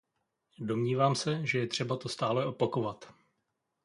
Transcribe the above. Domnívám se, že je třeba to stále opakovat.